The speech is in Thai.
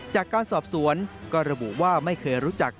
จากการสอบสวนก็ระบุว่าไม่เคยรู้จัก